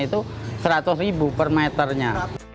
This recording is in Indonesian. itu rp seratus per meternya